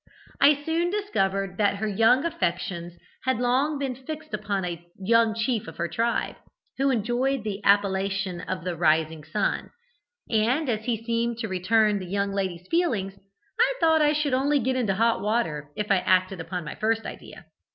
I soon discovered that her young affections had long been fixed upon a young chief of her tribe, who enjoyed the appellation of 'the Rising Sun,' and as he seemed to return the young lady's feelings, I thought I should only get into hot water if I acted upon my first idea.